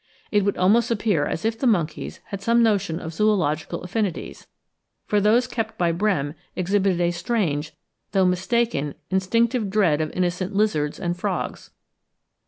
It would almost appear as if monkeys had some notion of zoological affinities, for those kept by Brehm exhibited a strange, though mistaken, instinctive dread of innocent lizards and frogs.